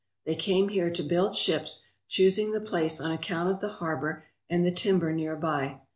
They came here to build ships, choosing the place on account of the harbour and the timber near by.